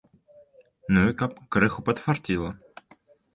Ну і каб крыху падфарціла.